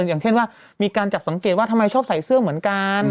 อย่างเช่นว่ามีการจับสังเกตว่าทำไมชอบใส่เสื้อเหมือนกัน